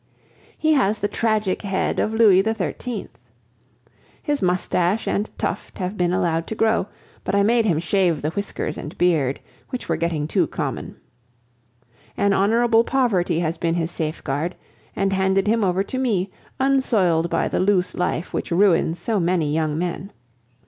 He has the tragic head of Louis XIII. His moustache and tuft have been allowed to grow, but I made him shave the whiskers and beard, which were getting too common. An honorable poverty has been his safeguard, and handed him over to me, unsoiled by the loose life which ruins so many young men.